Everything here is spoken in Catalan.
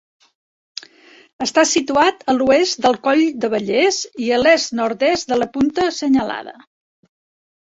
Està situat a l'oest del Coll d'Abellers i a l'est-nord-est de la Punta Senyalada.